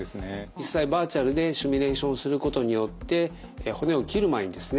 実際バーチャルでシミュレーションすることによって骨を切る前にですね